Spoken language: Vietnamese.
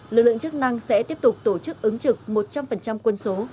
lực lượng chức năng sẽ tiếp tục tổ chức ứng trực một trăm linh quân số